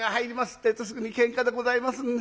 ってえとすぐにケンカでございますんで。